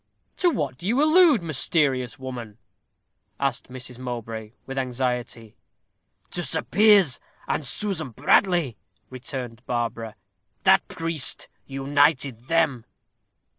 "To what do you allude, mysterious woman?" asked Mrs. Mowbray, with anxiety. "To Sir Piers and Susan Bradley," returned Barbara. "That priest united them."